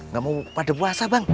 gak mau pada puasa bang